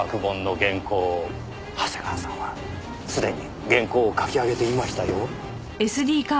長谷川さんはすでに原稿を書き上げていましたよ。